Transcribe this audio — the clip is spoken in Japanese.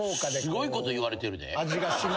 すごいこと言われてるで。